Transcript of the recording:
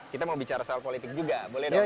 kita mau bicara soal politik juga boleh dong